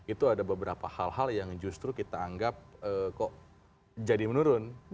itu ada beberapa hal hal yang justru kita anggap kok jadi menurun